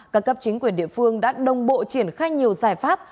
các cấp chính quyền địa phương đã đồng bộ triển khai nhiều giải pháp